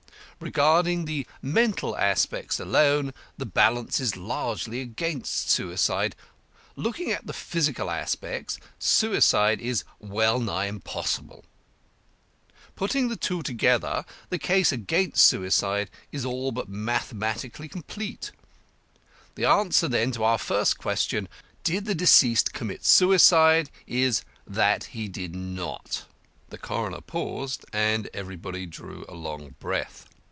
Regarding the mental aspects alone, the balance is largely against suicide; looking at the physical aspects, suicide is well nigh impossible. Putting the two together, the case against suicide is all but mathematically complete. The answer, then, to our first question, Did the deceased commit suicide? is, that he did not." The coroner paused, and everybody drew a long breath.